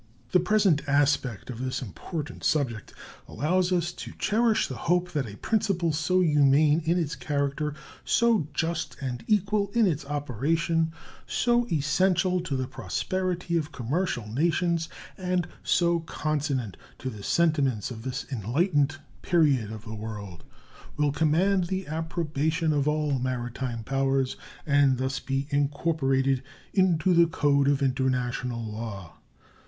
The present aspect of this important subject allows us to cherish the hope that a principle so humane in its character, so just and equal in its operation, so essential to the prosperity of commercial nations, and so consonant to the sentiments of this enlightened period of the world will command the approbation of all maritime powers, and thus be incorporated into the code of international law.